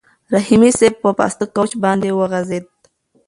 رحیمي صیب په پاسته کوچ باندې وغځېد.